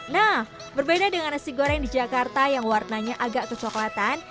nah berbeda dengan nasi goreng di jakarta yang warnanya agak kecoklatan